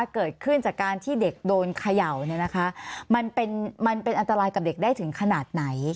เกิดขึ้นจากการที่เด็กโดนเขย่ามันเป็นอันตรายกับเด็กได้ถึงขนาดไหน